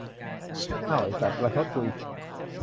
เอ้า ไอ้สัด ประชดกูอีก